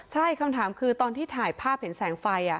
ใช่คำถามคือตอนที่ถ่ายภาพเห็นแสงไฟ